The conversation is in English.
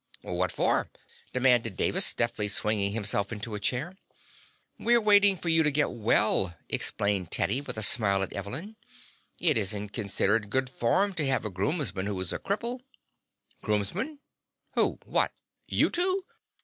"What for?" demanded Davis, deftly swinging himself into a chair. "We're waiting for you to get well," explained Teddy, with a smile at Evelyn. "It isn't considered good form to have a groomsman who's a cripple." "Groomsman? Who? What? You two?"